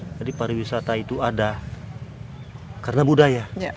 jadi para wisata itu ada karena budaya